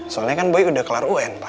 soalnya kan boy udah kelar un pak